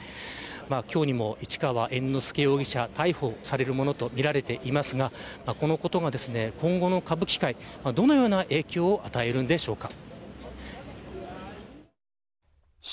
今日にも市川猿之助容疑者を逮捕するものとみられていますがこのことが、今後の歌舞伎界にどのような影響を与えるんでしょうか。